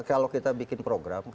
kalau kita bikin program